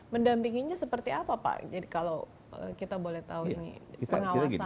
mendampinginya seperti apa pak jadi kalau kita boleh tahu ini pengawasan